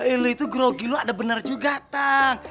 ini tuh grogi lo ada bener juga tang